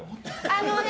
あのね